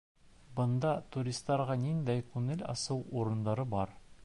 Бында туристарға ниндәй күңел асыу урындары бар?